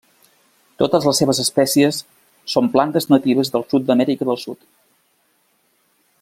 Totes les seves espècies són plantes natives del sud d'Amèrica del Sud.